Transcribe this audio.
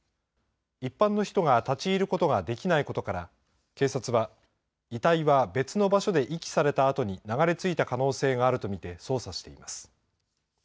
一般の人が立ち入ることができないことから警察は、遺体は別の場所で遺棄されたあとに流れついた可能性があるとみて捜査しています。